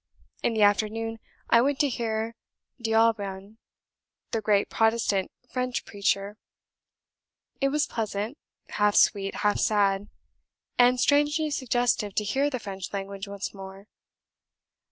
In the afternoon, I went to hear D'Aubigne, the great Protestant French preacher; it was pleasant half sweet, half sad and strangely suggestive to hear the French language once more.